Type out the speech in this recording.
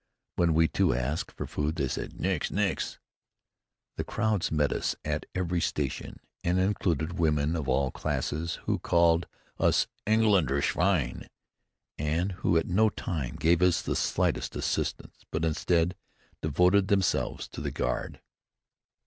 When, we too, asked for food they said: "Nix! Nix!" The crowds met us at every station and included women of all classes, who called us Engländer Schwein and who at no time gave us the slightest assistance, but, instead, devoted themselves to the guard.